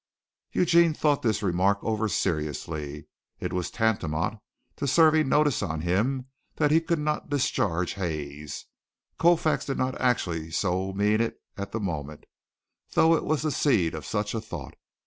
Eugene thought this remark over seriously. It was tantamount to serving notice on him that he could not discharge Hayes. Colfax did not actually so mean it at the moment, though it was the seed of such a thought.